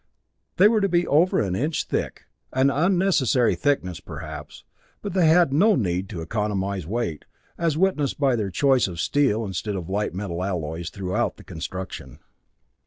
They were to be over an inch thick, an unnecessary thickness, perhaps, but they had no need to economize weight, as witnessed by their choice of steel instead of light metal alloys throughout the construction.